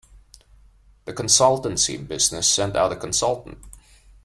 The consultancy business sent out a consultant.